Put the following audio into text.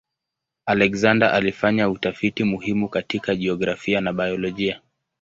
Alexander alifanya utafiti muhimu katika jiografia na biolojia.